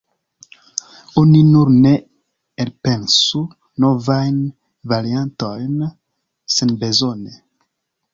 Oni nur ne elpensu novajn variantojn senbezone.